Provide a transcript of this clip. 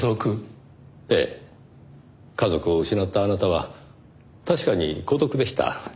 家族を失ったあなたは確かに孤独でした。